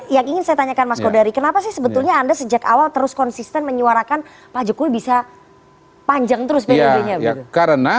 yang ingin saya tanyakan mas kodari kenapa sih sebetulnya anda sejak awal terus konsisten menyuarakan pak jokowi bisa panjang terus periodenya